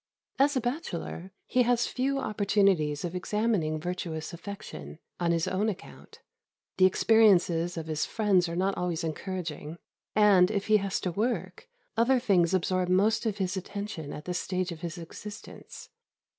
As a bachelor, he has few opportunities of examining virtuous affection, on his own account; the experiences of his friends are not always encouraging; and, if he has to work, other things absorb most of his attention at this stage of his existence.